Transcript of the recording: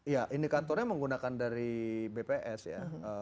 ya indikatornya menggunakan dari bps ya